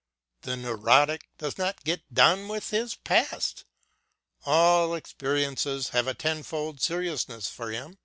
The neurotic does not get done with his past. All experiences have a tenfold seriousness for him.